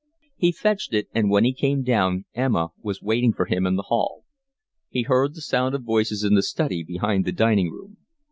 He fetched it, and when he came down Emma was waiting for him in the hall. He heard the sound of voices in the study behind the dining room.